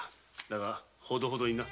だがほどほどにな。